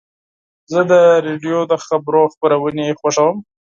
زه د راډیو د خبرو خپرونې خوښوم.